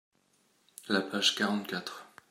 La page quarante-quatre.